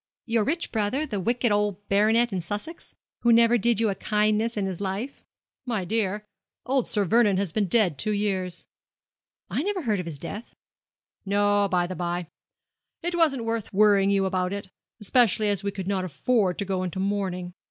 'Your rich brother, the wicked old baronet in Sussex, who never did you a kindness in his life?' 'My dear, old Sir Vernon has been dead two years.' 'I never heard of his death.' 'No, by the bye. It wasn't worth while worrying you about it, especially as we could not afford to go into mourning.